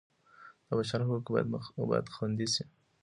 د بشر حقوق باید خوندي سي.